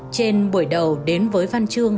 trên buổi đầu đến với văn chương